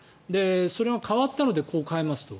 それが変わったのでこう変えますと。